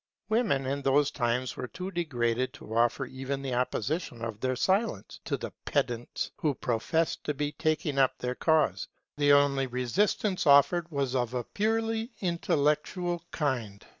Women in those times were too degraded to offer even the opposition of their silence to the pedants who professed to be taking up their cause; the only resistance offered was of a purely intellectual kind.